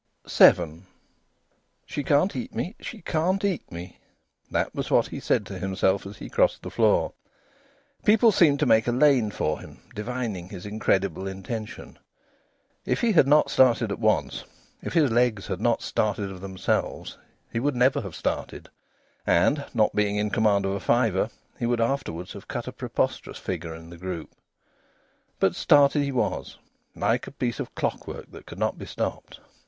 VII "She can't eat me. She can't eat me!" This was what he said to himself as he crossed the floor. People seemed to make a lane for him, divining his incredible intention. If he had not started at once, if his legs had not started of themselves, he would never have started; and, not being in command of a fiver, he would afterwards have cut a preposterous figure in the group. But started he was, like a piece of clockwork that could not be stopped!